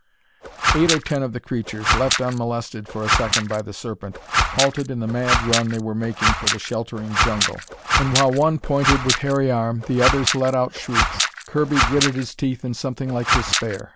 Eight or ten of the creatures, left unmolested for a second by the Serpent, halted in the mad run they were making for the sheltering jungle, and while one pointed with hairy arm, the others let out shrieks. Kirby gritted his teeth in something like despair.